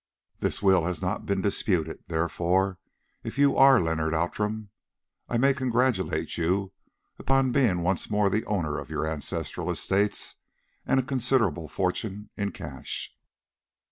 This will has not been disputed; therefore, if you are Leonard Outram, I may congratulate you upon being once more the owner of your ancestral estate and a considerable fortune in cash."